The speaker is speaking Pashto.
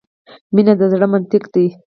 مینه د زړه منطق ده .